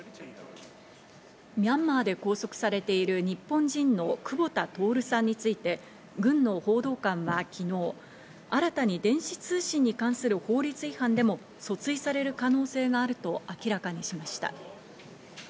ミャンマーで拘束されている日本人の久保田徹さんについて、軍の報道官は昨日、新たに電子通信に関する法律違反でも訴追される可能性があると明らかにしました。